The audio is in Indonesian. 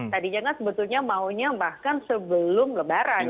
tadinya kan sebetulnya maunya bahkan sebelum lebaran